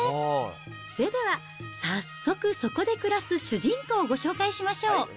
それでは早速、そこで暮らす主人公をご紹介しましょう。